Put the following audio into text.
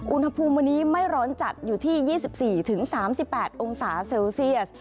อุณหภูมิวันนี้ไม่ร้อนจัดอยู่ที่๒๔๓๘องศาเซลเซียส